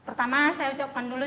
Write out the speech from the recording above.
pertama saya ucapkan dulu